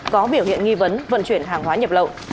có biểu hiện nghi vấn vận chuyển hàng hóa nhập lậu